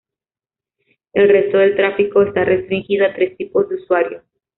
El resto del tráfico está restringido a tres tipos de usuario.